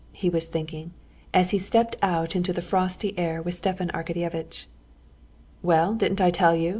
he was thinking, as he stepped out into the frosty air with Stepan Arkadyevitch. "Well, didn't I tell you?"